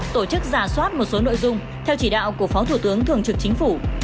tổ chức giả soát một số nội dung theo chỉ đạo của phó thủ tướng thường trực chính phủ